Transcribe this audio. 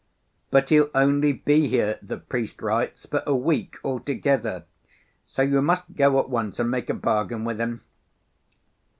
But he'll only be here, the priest writes, for a week altogether, so you must go at once and make a bargain with him."